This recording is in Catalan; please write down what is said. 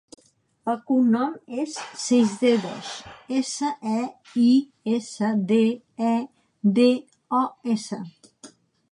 El cognom és Seisdedos: essa, e, i, essa, de, e, de, o, essa.